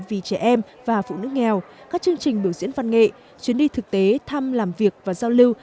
vì trẻ em và phụ nữ nghèo các chương trình biểu diễn văn nghệ chuyến đi thực tế thăm làm việc và giao lưu